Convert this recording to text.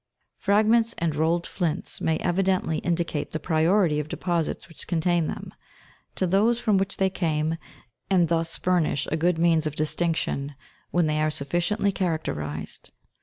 Fragments and rolled flints may evidently indicate the priority of deposits which contain them, to those from which they came, and thus fur nish a good means of distinction, when they are sufficiently characterized.